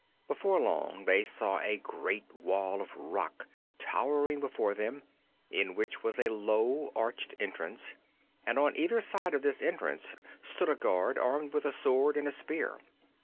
Before long they saw a great wall of rock towering before them, in which was a low arched entrance, and on either side of this entrance stood a guard, armed with a sword and a spear.